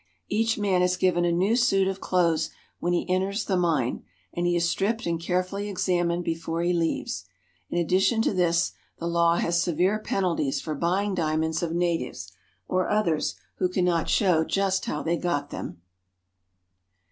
Each man is given a new suit of clothes when he enters the mine, and he is stripped and carefully examined before he leaves. In addition to this, the law has severe penalties for buying diamonds of natives, or others who can not show just how they got them.